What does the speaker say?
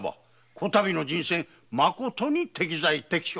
こたびの人選まことに適材適所。